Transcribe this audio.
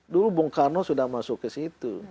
dulu bung karno sudah masuk ke situ